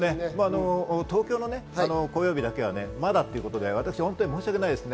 東京都の紅葉日だけはまだってことで私、本当に申し訳ないですね。